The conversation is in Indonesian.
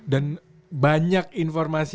dan banyak informasi